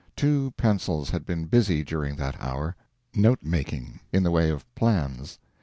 Two pencils had been busy during that hour note making; in the way of plans.